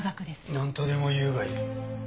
なんとでも言うがいい。